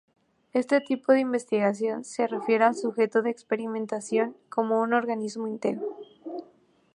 Este tipo de investigación se refiere al sujeto de experimentación como un organismo íntegro.